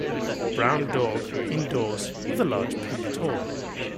A brown dog indoors with a large pink toy